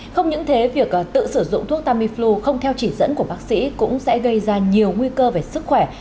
không những thế việc tự sử dụng thuốc tamiflu không theo chỉ dẫn của bác sĩ cũng sẽ gây ra nhiều nguy cơ về sức khỏe